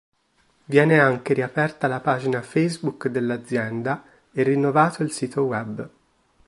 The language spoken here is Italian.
Viene anche riaperta la pagina Facebook dell'azienda e rinnovato il sito web.